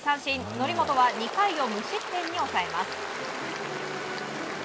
則本は２回を無失点に抑えます。